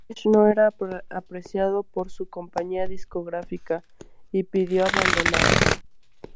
Fresh no era apreciado por su compañía discográfica y pidió abandonarla.